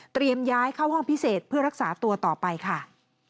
ย้ายเข้าห้องพิเศษเพื่อรักษาตัวต่อไปค่ะ